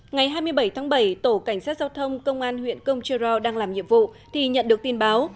ngày hai mươi bảy tháng bảy tổ cảnh sát giao thông công an huyện công chơ ro đang làm nhiệm vụ thì nhận được tin báo